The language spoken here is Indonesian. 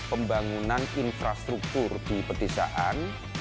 pembangunan infrastruktur di pedesaan